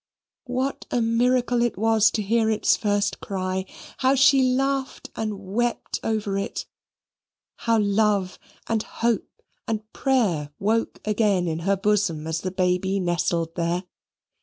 What a miracle it was to hear its first cry! How she laughed and wept over it how love, and hope, and prayer woke again in her bosom as the baby nestled there.